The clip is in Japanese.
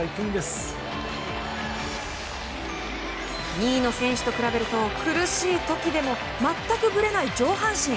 ２位の選手と比べると苦しい時でも全くぶれない上半身。